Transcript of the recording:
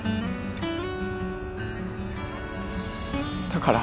だから。